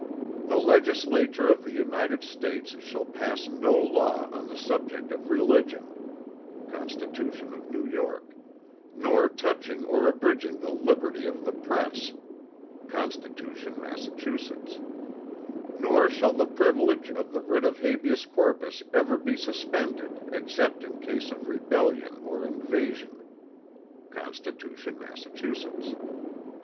"The Legislature of the United States shall pass no law on the subject of religion" (Constitution of New York); "nor touching or abridging the liberty of the press" (Constitution Massachusetts); "nor shall the privilege of the writ of habeas corpus ever be suspended except in case of rebellion or invasion" (Constitution Mass.).